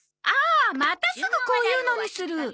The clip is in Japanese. ああまたすぐこういうのにする。